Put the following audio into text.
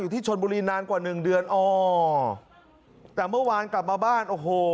ที่ชนบุรีนานกว่าหนึ่งเดือนอ๋อแต่เมื่อวานกลับมาบ้านโอ้โห